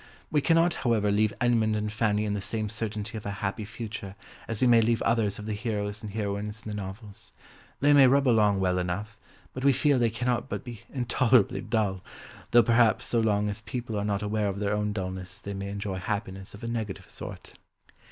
We cannot, however, leave Edmund and Fanny in the same certainty of a happy future as we may leave others of the heroes and heroines in the novels; they may rub along well enough, but we feel they cannot but be intolerably dull, though perhaps so long as people are not aware of their own dulness they may enjoy happiness of a negative sort!